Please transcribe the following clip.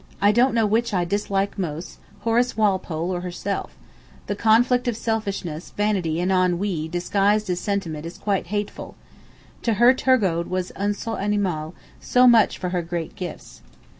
I don't know which I dislike most, Horace Walpole or herself: the conflict of selfishness, vanity and ennui disguised as sentiment is quite hateful: to her Turgot was un sot animal,—so much for her great gifts.